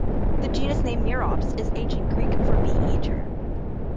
The genus name "Merops" is Ancient Greek for "bee-eater".